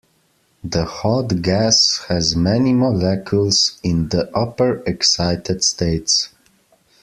The hot gas has many molecules in the upper excited states.